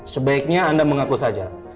sebaiknya anda mengaku saja